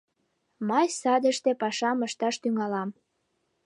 Мый садыште пашам ышташ тӱҥалам.